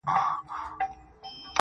چي ته به يې په کومو صحفو، قتل روا کي.